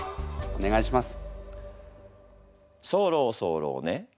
お願いします。